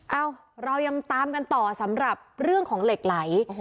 เอ้าเรายังตามกันต่อสำหรับเรื่องของเหล็กไหล